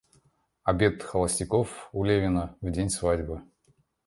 Обед холостяков у Левина в день свадьбы.